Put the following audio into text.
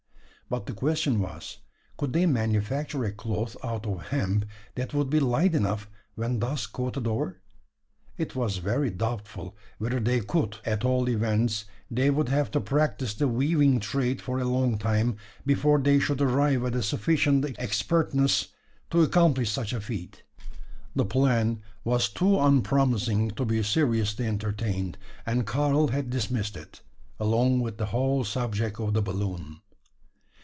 But the question was, could they manufacture a cloth out of hemp that would be light enough when thus coated over? It was very doubtful whether they could at all events they would have to practise the weaving trade for a long time, before they should arrive at a sufficient expertness to accomplish such a feat. The plan was too unpromising to be seriously entertained; and Karl had dismissed it, along with the whole subject of the balloon.